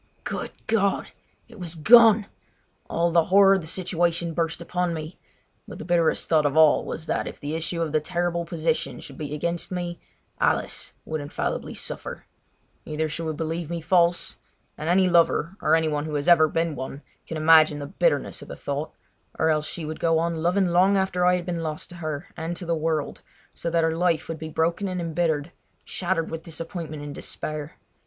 Good God! It was gone! All the horror of the situation burst upon me; but the bitterest thought of all was that if the issue of the terrible position should be against me Alice would infallibly suffer. Either she would believe me false—and any lover, or any one who has ever been one, can imagine the bitterness of the thought—or else she would go on loving long after I had been lost to her and to the world, so that her life would be broken and embittered, shattered with disappointment and despair.